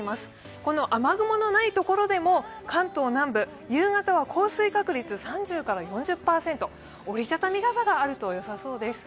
この雨雲のないところでも関東南部、夕方は降水確率、３０から４０％、折り畳み傘があるとよさそうです。